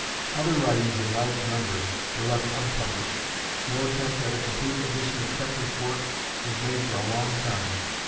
Other writings in large numbers were left unpublished. No attempt at a complete edition of Kepler's works was made for a long time.